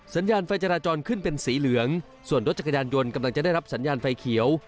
สัญญาณไฟจราจรขึ้นเป็นสีเหลืองส่วนรถจักรยานยนต์กำลังจะได้รับสัญญาณไฟเขียว